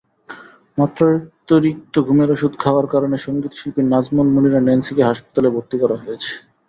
মাত্রাতিরিক্ত ঘুমের ওষুধ খাওয়ার কারণে সংগীতশিল্পী নাজমুন মুনিরা ন্যান্সিকে হাসপাতালে ভর্তি করা হয়েছে।